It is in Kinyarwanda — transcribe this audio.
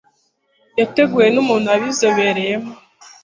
yateguwe n'umuntu wabizobereyemo